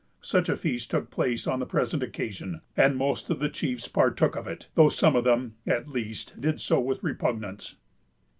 Such a feast took place on the present occasion, and most of the chiefs partook of it, though some of them, at least, did so with repugnance.